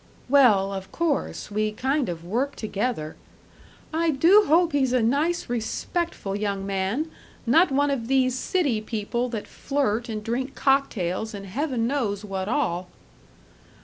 "Well, of course, we kind of work together " "I do hope he's a nice, respectful young man, not one of these city people that flirt and drink cocktails and heaven knows what all!"